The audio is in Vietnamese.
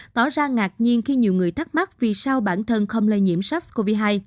tỏ ra ngạc nhiên khi nhiều người thắc mắc vì sao bản thân không lây nhiễm sars cov hai